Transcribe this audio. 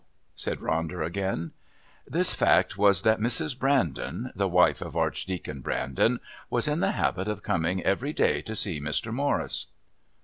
said Ronder again. "This fact was that Mrs. Brandon, the wife of Archdeacon Brandon, was in the habit of coming every day to see Mr. Morris!"